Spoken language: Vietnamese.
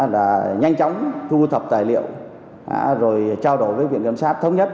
là nhanh chóng thu thập tài liệu rồi trao đổi với viện kiểm sát thống nhất